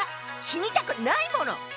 死にたくないもの！